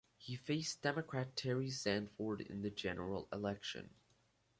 He faced Democrat Terry Sanford in the general election.